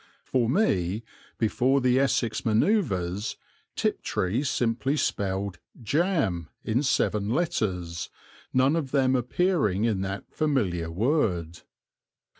For me, before the Essex manoeuvres, Tiptree simply spelled "jam" in seven letters, none of them appearing in that familiar word.